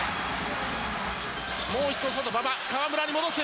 もう一度、外、馬場河村に戻す。